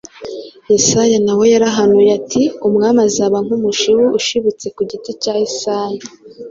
Yesaya na we yarahanuye ati: “Umwami azaba nk’umushibu ushibitse ku gishyitsi cya Yesayi,